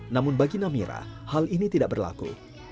namun bagi namira hal ini tidak berlaku